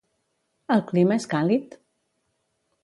El clima és càlid?